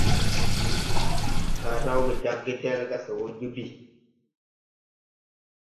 Kal rawge jag gedel ga se wɔ joo bii.